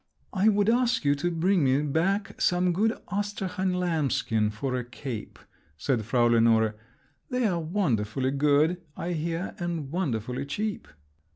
"I would ask you to bring me back some good Astrakhan lambskin for a cape," said Frau Lenore. "They're wonderfully good, I hear, and wonderfully cheap!"